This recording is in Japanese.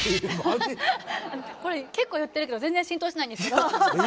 これ結構言ってるけど全然浸透しないんですけど。